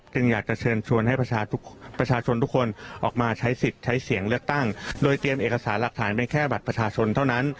อยากจะเชิญชวนให้ประชาชนทุกคนออกมาใช้สิทธิ์ใช้เสียงเลือกตั้งโดยเตรียมเอกสารหลักฐานไปแค่บัตรประชาชนเท่านั้น